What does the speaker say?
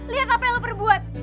lihat apa yang lo berbuat